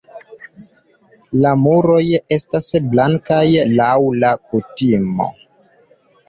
La muroj estas blankaj laŭ la kutimo.